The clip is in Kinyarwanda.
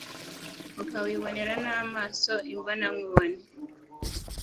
ukawibonera n'amaso imbona nkubone.